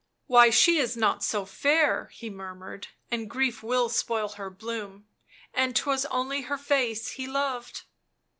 " Why, she is not so fair," he murmured, " and grief will spoil her bloom, and 'twas only her face he loved."